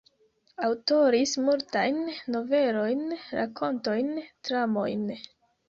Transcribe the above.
Aŭtoris multajn novelojn, rakontojn, dramojn.